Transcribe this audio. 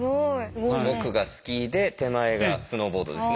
奥がスキーで手前がスノーボードですね。